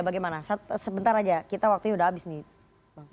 bagaimana sebentar saja kita waktunya sudah habis nih